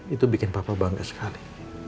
itu bikin papa bangga sekali